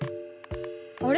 あれ？